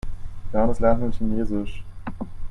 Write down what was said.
Johannes lernt nun Chinesisch.